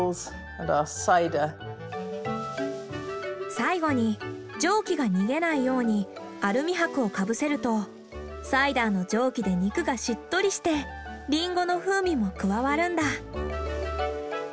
最後に蒸気が逃げないようにアルミはくをかぶせるとサイダーの蒸気で肉がしっとりしてリンゴの風味も加わるんだ。